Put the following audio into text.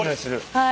はい！